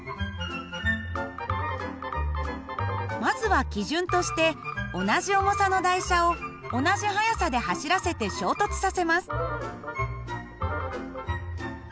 まずは基準として同じ重さの台車を同じ速さで走らせて衝突させます。